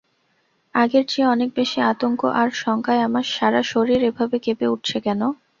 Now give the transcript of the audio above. আগের চেয়ে অনেক বেশি আতঙ্ক আর শঙ্কায় আমার সারাশরীর এভাবে কেঁপে উঠছে কেন?